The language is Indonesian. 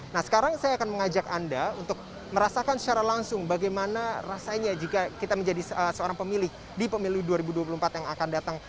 nah sekarang saya akan mengajak anda untuk merasakan secara langsung bagaimana rasanya jika kita menjadi seorang pemilih di pemilu dua ribu dua puluh empat yang akan datang